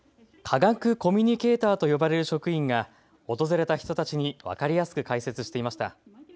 科学コミュニケーターと呼ばれる職員が訪れた人たちに分かりやすく解説していました。